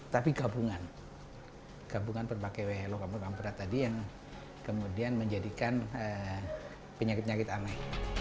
tapi gabungan gabungan berbagai logam logam berat tadi yang kemudian menjadikan penyakit penyakit aneh